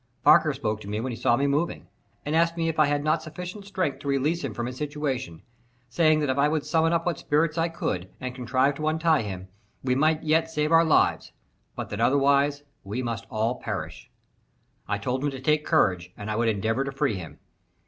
Parker spoke to me when he saw me moving, and asked me if I had not sufficient strength to release him from his situation, saying that if I would summon up what spirits I could, and contrive to untie him, we might yet save our lives; but that otherwise we must all perish. I told him to take courage, and I would endeavor to free him.